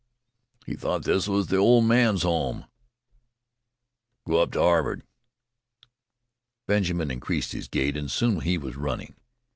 "He thought this was the old men's home." "Go up to Harvard!" Benjamin increased his gait, and soon he was running.